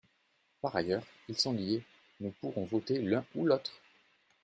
Par ailleurs, ils sont liés : nous pourrons voter l’un ou l’autre.